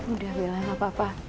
udah bella gak apa apa